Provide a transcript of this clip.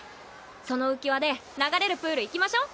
その浮輪で流れるプール行きましょう！